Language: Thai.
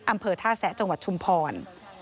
อำเภอท่าแสะจังหวัดชุมพร